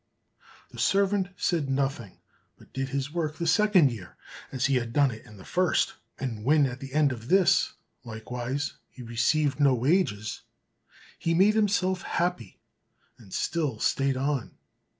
The servant said nothing, but did his work the second year as he had done it the first; and when at the end of this, likewise, he received no wages, he made himself happy, and still stayed on.